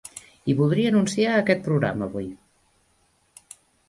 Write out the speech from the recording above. I voldria anunciar aquest programa avui.